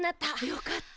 よかった。